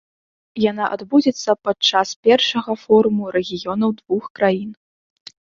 Яна адбудзецца падчас першага форуму рэгіёнаў двух краін.